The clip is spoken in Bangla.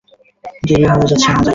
দেরি হয়ে যাচ্ছে আমাদের।